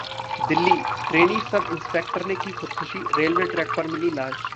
Delhi trainee sub inspector ने की खुदकुशी, रेलवे ट्रैक पर मिली लाश